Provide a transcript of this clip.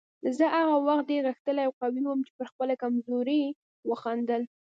زه هغه وخت ډېر غښتلی او قوي وم چې پر خپلې کمزورۍ وخندل.